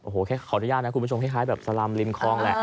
โอ้โหแค่ขออนุญาตนะคุณผู้ชมคล้ายแบบสลำริมคลองแหละ